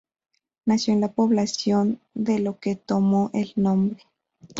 Nació en la población de la que tomó el nombre.